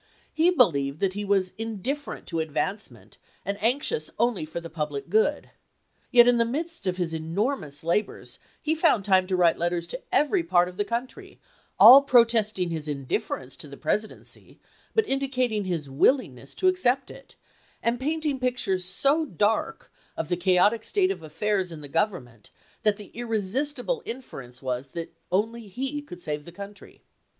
He believed that he was indifferent to advancement and anxious only for the public good; yet in the midst of his enormous labors he found time to wi4te letters to every part of the country, all protesting his indifference to the Presidency but indicating his willingness to ac cept it, and painting pictures so dark of the cha otic state of affairs in the Government that the irresistible inference was that only he could save the country.